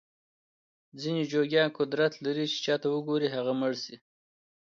ځینې جوګیان قدرت لري چې چاته وګوري هغه مړ شي.